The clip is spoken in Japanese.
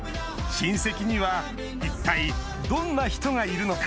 親戚には一体どんな人がいるのか？